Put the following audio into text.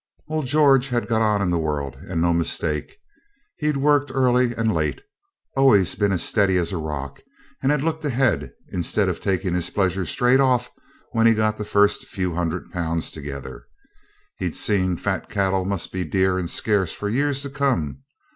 Old George had got on in the world and no mistake. He'd worked early and late, always been as steady as a rock, and had looked ahead instead of taking his pleasure straight off when he got the first few hundred pounds together. He'd seen fat cattle must be dear and scarce for years to come.